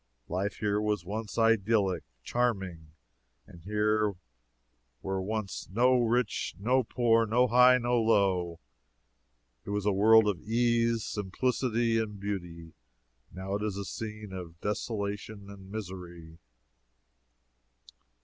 Life here was once idyllic, charming; here were once no rich, no poor, no high, no low. It was a world of ease, simplicity, and beauty; now it is a scene of desolation and misery."